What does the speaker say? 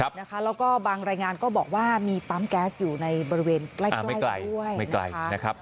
แล้วก็บางรายงานก็บอกว่ามีปั๊มแก๊สอยู่ในบริเวณใกล้ด้วยไม่ไกลนะครับ